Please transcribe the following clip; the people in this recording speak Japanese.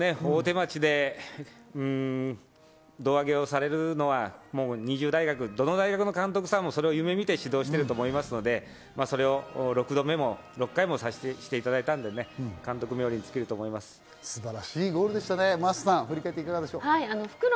大手町で胴上げをされるのは２０大学、どの大学の監督さんもそれを夢見て指導していると思いますので、それを６回もしていただいたので、監督冥利に尽きると思います。